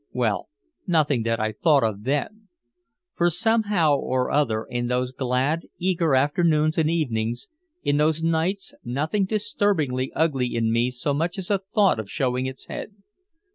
Well, nothing that I thought of then. For somehow or other, in those glad, eager afternoons and evenings, in those nights, nothing disturbingly ugly in me so much as thought of showing its head.